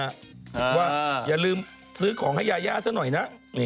อย่าลืมซื้อของให้ยายาซะหน่อยนะ